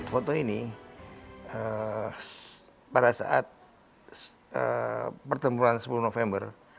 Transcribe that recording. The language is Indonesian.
foto ini pada saat pertempuran sepuluh november